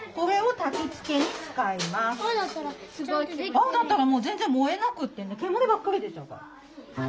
青だったら全然燃えなくてね煙ばっかり出ちゃうから。